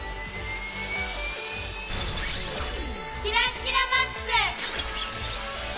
キラッキラマックス！